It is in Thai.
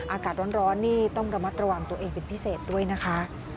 อากาศร้อนนี่ต้องระมัดระวังตัวเองเป็นพิเศษด้วยนะคะ